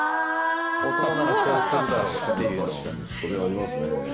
確かにそれありますね。